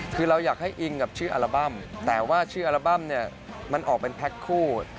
คือเราอยากให้อิงกับชื่ออัลบั้มแต่ว่าชื่ออัลบั้มเนี่ยมันออกเป็นแพ็คคู่